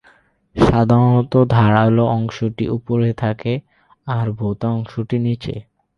সাধারণত ধারালো অংশটি উপরে থাকে, আর ভোঁতা অংশটি নিচে।